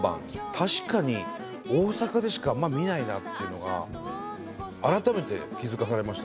確かに大阪でしかあんま見ないなっていうのが改めて気付かされましたね。